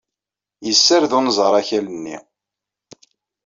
Yessared unẓar akal-nni.